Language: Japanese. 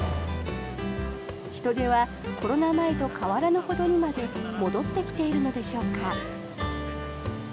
人出はコロナ前と変わらぬほどまでに戻ってきているのでしょうか。